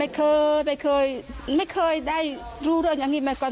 ไม่เคยไม่เคยได้รู้เรื่องอย่างนี้มาก่อน